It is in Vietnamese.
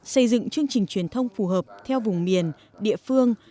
xây dựng chương trình truyền thông phù hợp theo vùng miền địa phương